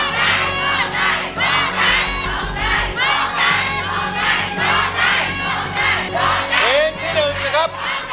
เพลงที่หนึ่งนะครับ